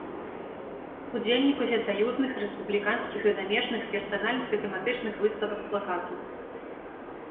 Удзельнік усесаюзных, рэспубліканскіх і замежных, персанальных і тэматычных выставак плакату.